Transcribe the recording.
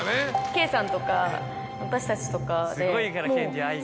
圭さんとか私たちとかでもう。